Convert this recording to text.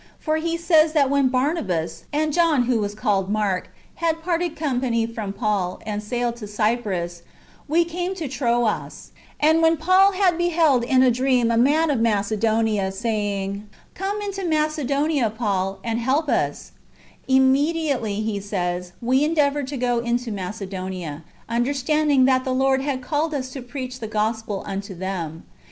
For he says that when Barnabas, and John who was called Mark, had parted company from Paul, and sailed to Cyprus, "we came to Troas;" * and when Paul had be held in a dream a man of Macedonia, saying, " Come into Macedonia, Paul, and help us," " immediately," he says, " we endeavoured to go into Macedonia, understanding that the Lord had called us to preach the gospel unto them.